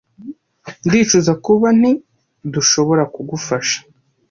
Ndicuza kuba nti dushobora kugufasha.